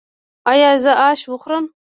ایا زه اش وخورم؟